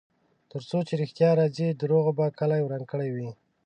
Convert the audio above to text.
ترڅو چې ریښتیا راځي، دروغو به کلی وران کړی وي.